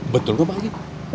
betul kok pak haji